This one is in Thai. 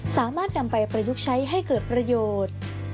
สามารถนำไปประยุกต์ใช้ให้เกิดประโยชน์